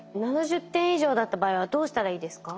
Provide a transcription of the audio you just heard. ７０点以上だった場合はどうしたらいいですか？